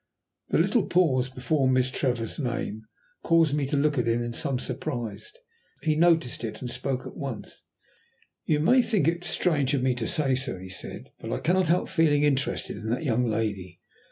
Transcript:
The little pause before Miss Trevor's name caused me to look at him in some surprise. He noticed it and spoke at once. "You may think it strange of me to say so," he said, "but I cannot help feeling interested in that young lady.